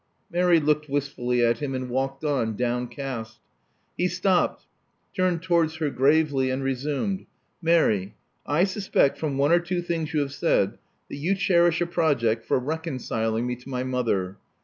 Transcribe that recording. Mary looked wistfully at him, and walked on, down cast. He stopped; turned towards her gravely; and resumed : •*Mary: I suspect from one or two things you have said, that you cherish a project for reconciling me to my mother.